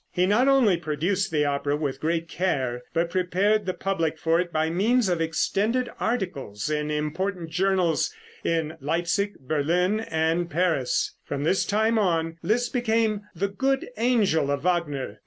He not only produced the opera with great care, but prepared the public for it by means of extended articles in important journals in Leipsic, Berlin and Paris. From this time on, Liszt became the good angel of Wagner.